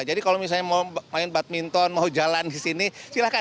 jadi kalau misalnya mau main badminton mau jalan di sini silahkan